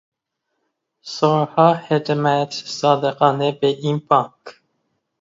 سالها خدمت صادقانه به این بانک